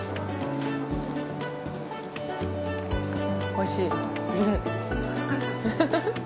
おいしい。